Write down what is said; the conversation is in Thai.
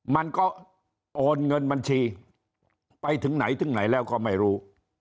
มันก็โอนเงินบัญชีไปถึงไหนถึงไหนแล้วก็ไม่รู้